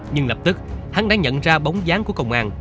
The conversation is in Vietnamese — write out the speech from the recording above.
nhưng lập tức hắn đã nhận ra bóng dáng của công an